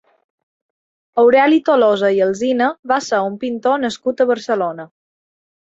Aureli Tolosa i Alsina va ser un pintor nascut a Barcelona.